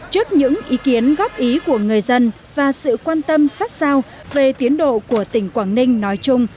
trước những ý kiến góp ý của người dân và sự quan tâm sát sao về tiến độ của tỉnh quảng ninh nói chung